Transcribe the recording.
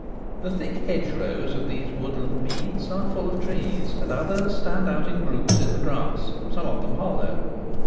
The thick hedgerows of these woodland meads are full of trees, and others stand out in groups in the grass, some of them hollow.